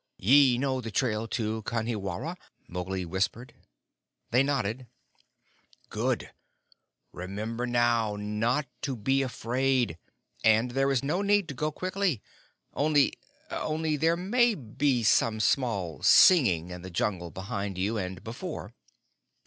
"Ye know the trail to Kanhiwara?" Mowgli whispered. They nodded. "Good. Remember, now, not to be afraid. And there is no need to go quickly. Only only there may be some small singing in the Jungle behind you and before."